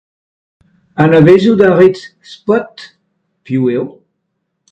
Anavezout a rit Spot ? Piv eo ?